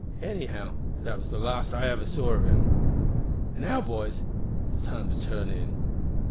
Anyhow that was the last I ever saw of him. Now, boys, it's time to turn in."